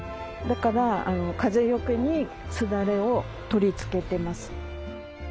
だから風よけにすだれを取り付けてます。